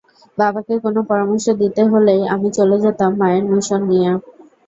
বাবাকে কোনো পরামর্শ দিতে হলেই আমি চলে যেতাম মায়ের মিশন নিয়ে।